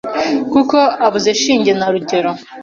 kuko abuze shinge na rugero